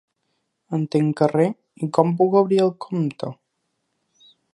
Entencarrer i com puc obrir el compte¿.